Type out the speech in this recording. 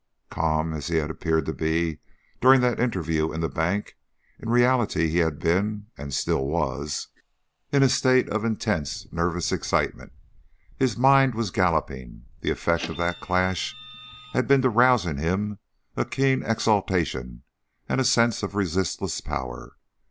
Calm as he had appeared to be during that interview in the bank, in reality he had been, and still was, in a state of intense nervous excitement; his mind was galloping; the effect of that clash had been to rouse in him a keen exaltation and a sense of resistless power.